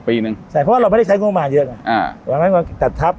ปีหนึ่งใช่เพราะเราไม่ได้ใช้งุมหมากเยอะอ่างุมาลถัดทัพ